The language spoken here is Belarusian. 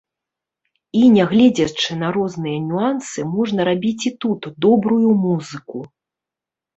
І нягледзячы на розныя нюансы можна рабіць і тут добрую музыку.